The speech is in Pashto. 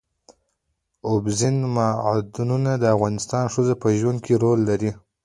اوبزین معدنونه د افغان ښځو په ژوند کې رول لري.